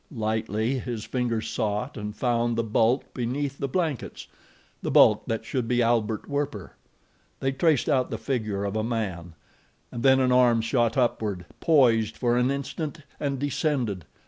Lightly, his fingers sought and found the bulk beneath the blankets—the bulk that should be Albert Werper. They traced out the figure of a man, and then an arm shot upward, poised for an instant and descended.